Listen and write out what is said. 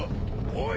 おい！